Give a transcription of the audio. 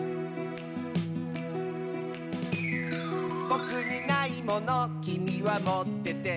「ぼくにないものきみはもってて」